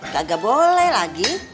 kagak boleh lagi